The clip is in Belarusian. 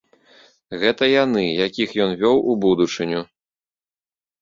Гэта яны, якіх ён вёў у будучыню.